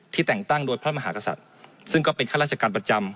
แต่งตั้งโดยพระมหากษัตริย์ซึ่งก็เป็นข้าราชการประจำ